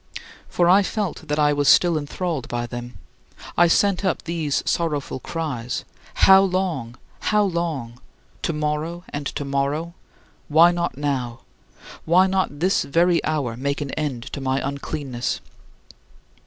" For I felt that I was still enthralled by them. I sent up these sorrowful cries: "How long, how long? Tomorrow and tomorrow? Why not now? Why not this very hour make an end to my uncleanness?"